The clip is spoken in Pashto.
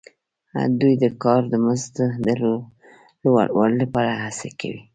دوی د کار د مزد د لوړوالي لپاره هڅې کوي